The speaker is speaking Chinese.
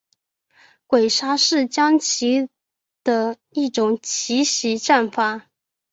鬼杀是将棋的一种奇袭战法。